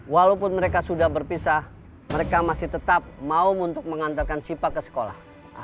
walaupun mereka sudah berpisah mereka masih tetap mau untuk mengantarkan sipa ke sekolah